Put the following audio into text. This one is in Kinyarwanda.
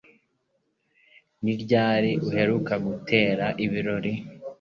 Ni ryari uheruka gutera ibirori?